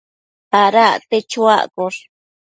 Ada acte chuaccosh